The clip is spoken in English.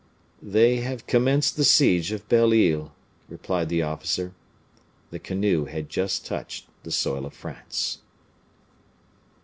"They have commenced the siege of Belle Isle," replied the officer. The canoe had just touched the soil of France.